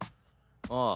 ああ。